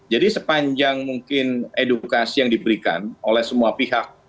jadi sepanjang mungkin edukasi yang diberikan oleh semua pihak